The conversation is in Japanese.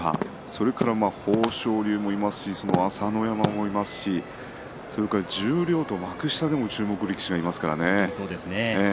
それから豊昇龍もいますし朝乃山もいますし十両と幕下でも注目力士がいますからね。